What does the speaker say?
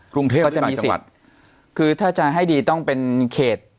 กรุงเทพหรือหลักจังหวัดก็จะมีสิทธิ์คือถ้าจะให้ดีต้องเป็นเขต